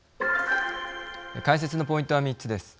解説のポイントは３つです。